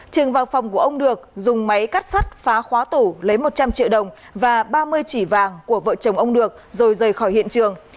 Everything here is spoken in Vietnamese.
trường vào phòng của ông được dùng máy cắt sắt phá khóa tủ lấy một trăm linh triệu đồng và ba mươi chỉ vàng của vợ chồng ông được rồi rời khỏi hiện trường